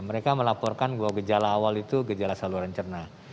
mereka melaporkan bahwa gejala awal itu gejala saluran cerna